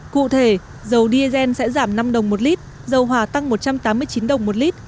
cụ thể dầu diesel sẽ giảm năm đồng một lít dầu hỏa tăng một trăm tám mươi chín đồng một lít